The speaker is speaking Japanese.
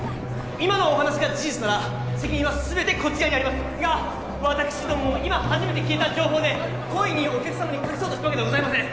今のお話が事実なら責任は全てこちらにありますが私どもも今初めて聞いた情報で故意にお客様に隠そうとしたわけではございません